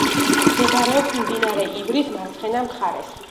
მდებარეობს მდინარე ივრის მარცხენა მხარეს.